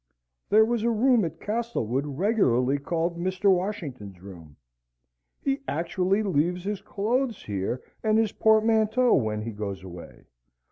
There was a room at Castlewood regularly called Mr. Washington's room. "He actually leaves his clothes here and his portmanteau when he goes away.